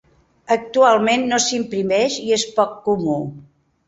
Actualment no s'imprimeix i és poc comú.